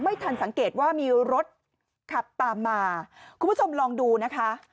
ทันสังเกตว่ามีรถขับตามมาคุณผู้ชมลองดูนะคะ